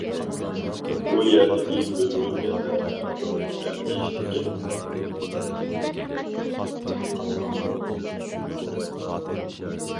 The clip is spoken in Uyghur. بۇ يەردىكى بۆلجۈرگەنلەر ھەم چوڭ ھەم يېيىشلىككەن.